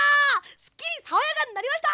すっきりさわやかになりました！